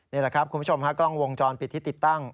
นี่แหละครับคุณผู้ชมฮะกล้องวงจรปิดที่ติดตั้ง